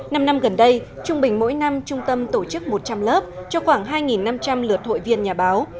năm năm gần đây trung bình mỗi năm trung tâm tổ chức một trăm linh lớp cho khoảng hai năm trăm linh lượt hội viên nhà báo